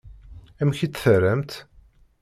Amek i tt-terramt?